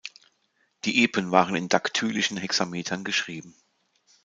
Die Epen waren in daktylischen Hexametern geschrieben.